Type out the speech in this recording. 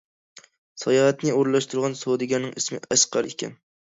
ساياھەتنى ئورۇنلاشتۇرغان سودىگەرنىڭ ئىسمى ئەسقەر ئىكەن.